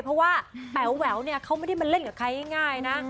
เพราะว่าแป๋วแหววเนี่ยเขาไม่ได้มาเล่นกับใครง่ายนะ